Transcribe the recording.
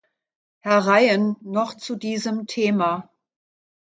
Herr Ryan noch zu diesem Thema.